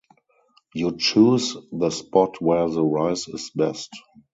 You choose the spot where the rice is best.